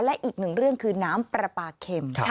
และอีกหนึ่งเรื่องคือน้ำปลาปลาเข็ม